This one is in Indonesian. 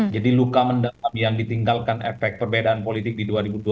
jadi luka mendalam yang ditinggalkan efek perbedaan politik di dua ribu dua puluh empat